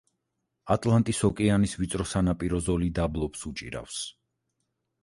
ატლანტის ოკეანის ვიწრო სანაპირო ზოლი დაბლობს უჭირავს.